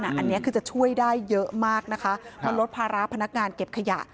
อันนี้คือจะช่วยได้เยอะมากนะคะมันลดภาระพนักงานเก็บขยะ